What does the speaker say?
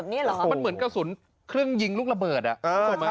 คุณภาพเก่าแล้วมันเหมือนกระสุนครึ่งยิงลูกระเบิดอ่ะ